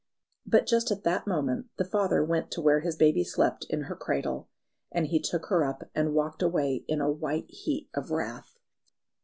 But just at that moment the father went to where his baby slept in her cradle, and he took her up and walked away in a white heat of wrath.